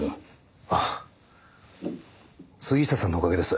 ああ杉下さんのおかげです。